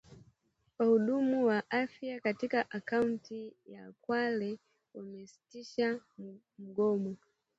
Wahudumu wa afya katika kaunti ya Kwale wamesitisha mgomo